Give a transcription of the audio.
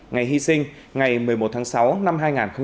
ngày hy sinh ngày một mươi một tháng sáu năm hai nghìn hai mươi